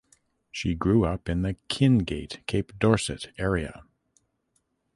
She grew up in the Kinngait (Cape Dorset) area.